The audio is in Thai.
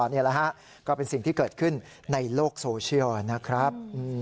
นี่แหละฮะก็เป็นสิ่งที่เกิดขึ้นในโลกโซเชียลนะครับ